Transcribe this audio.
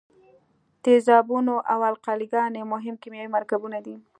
تیزابونه او القلي ګانې مهم کیمیاوي مرکبونه دي.